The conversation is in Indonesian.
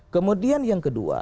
kemudian yang kedua